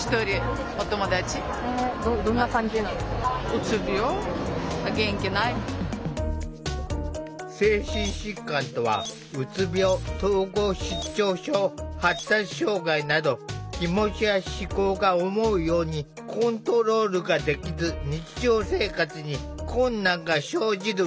突然ですが精神疾患とはうつ病統合失調症発達障害など気持ちや思考が思うようにコントロールができず日常生活に困難が生じる病気。